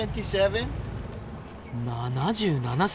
７７歳！